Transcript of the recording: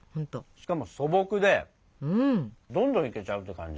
しかも素朴でどんどんいけちゃうって感じ。